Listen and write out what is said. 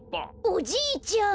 おじいちゃん。